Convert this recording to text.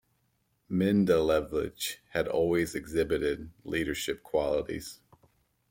Mendelevitch had always exhibited leadership qualities.